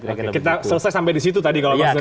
kita selesai sampai di situ tadi kalau mas wawiyah katakan